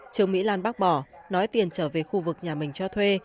trương mỹ lan bác bỏ nói tiền trở về khu vực nhà mình cho thuê